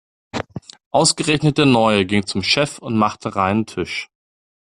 Ausgerechnet der Neue ging zum Chef und machte reinen Tisch.